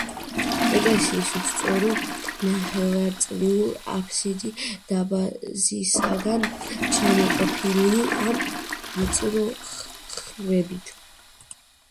ეკლესიის უსწორო ნახევარწრიული აფსიდი დარბაზისაგან გამოყოფილია ვიწრო მხრებით.